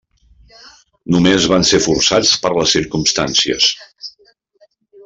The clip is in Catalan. Només vam ser forçats per les circumstàncies.